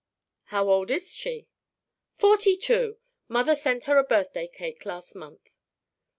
"How old is she " "Forty two. Mother sent her a birthday cake last month."